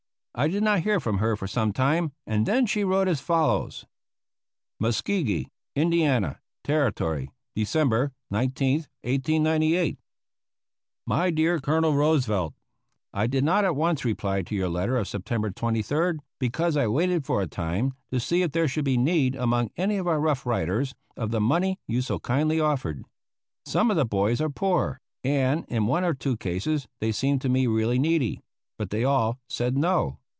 I did not hear from her for some time, and then she wrote as follows: "MUSCOGEE, IND. TER., "December 19, 1898. "MY DEAR COLONEL ROOSEVELT: I did not at once reply to your letter of September 23rd, because I waited for a time to see if there should be need among any of our Rough Riders of the money you so kindly offered. Some of the boys are poor, and in one or two cases they seemed to me really needy, but they all said no.